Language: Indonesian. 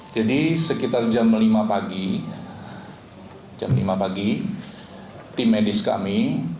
jadi sekitar jam lima pagi tim medis kami